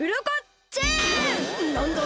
なんだ？